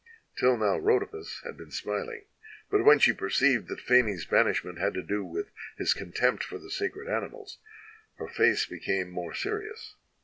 Till now Rhodopis had been smiling, but when she perceived that Phanes' banishment had to do with his contempt for the sacred animals, her face became more serious.